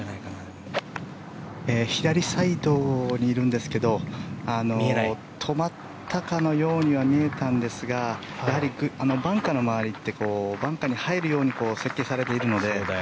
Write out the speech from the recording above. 左サイドにいるんですが止まったかのようには見えたんですがやはりバンカーの周りってバンカーに入るように設計されているので。